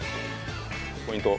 ポイント。